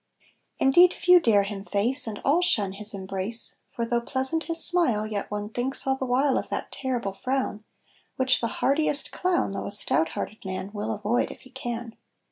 Indeed few dare him face, And all shun his embrace; For though pleasant his smile, Yet one thinks all the while Of that terrible frown, Which the hardiest clown, Though a stout hearted man, Will avoid if he can.